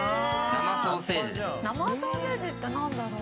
生ソーセージって何だろう？